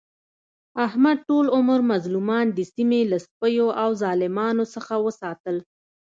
احمد ټول عمر مظلومان د سیمې له سپیو او ظالمانو څخه وساتل.